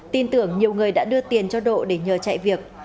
tin tưởng nhiều người đã đưa tiền cho độ để nhờ chạy việc